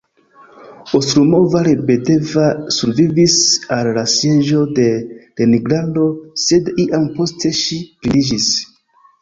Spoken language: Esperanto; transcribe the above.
Ostroumova-Lebedeva survivis al la Sieĝo de Leningrado, sed iam poste ŝi blindiĝis.